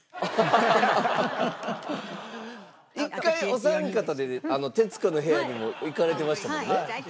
一回お三方で『徹子の部屋』にも行かれてましたもんね。